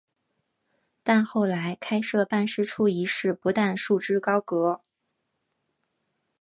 但后来开设办事处一事不但束之高阁。